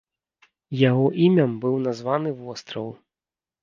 Яго імям быў названы востраў.